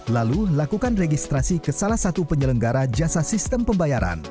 lalu lakukan registrasi ke salah satu penyelenggara jasa sistem pembayaran